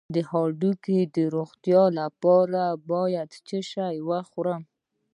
د هډوکو د روغتیا لپاره باید څه شی وخورم؟